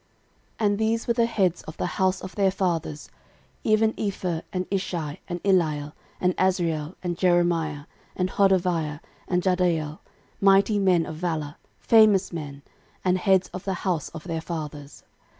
13:005:024 And these were the heads of the house of their fathers, even Epher, and Ishi, and Eliel, and Azriel, and Jeremiah, and Hodaviah, and Jahdiel, mighty men of valour, famous men, and heads of the house of their fathers.